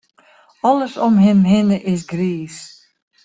Alles om him hinne is griis.